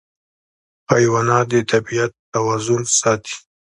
حیوانات د طبیعت توازن ساتي.